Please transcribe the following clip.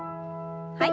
はい。